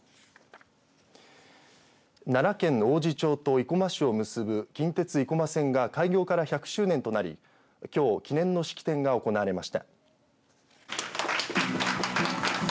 奈良県王寺町と生駒市を結ぶ近鉄生駒線が開業から１００周年となりきょう記念の式典が行われました。